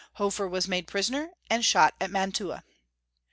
Hofer was made prisoner, and shot at Mantua.